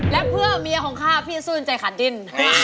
และเพื่อเมียของข้าพี่ซื่นใจขาดดิน